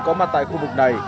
có mặt tại khu vực này